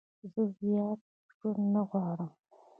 زه زیات ژوند نه غواړم.